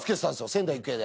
仙台育英で。